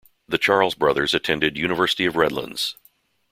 The Charles brothers attended University of Redlands.